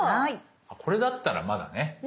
これだったらまだね